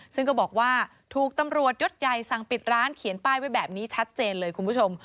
ซึ่งก็บอกว่าถูกตำรวจยศใหญ่สั่งปิดร้านเขียนป้ายไว้แบบนี้ชัดเจนเลยคุณผู้ชม